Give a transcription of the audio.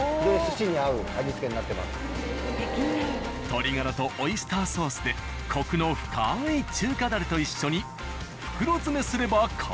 鶏ガラとオイスターソースでコクの深い中華ダレと一緒に袋詰めすれば完成。